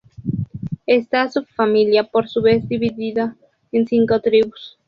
Esta subfamilia por su vez dividida en cinco tribus.